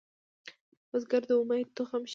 بزګر د امید تخم شیندي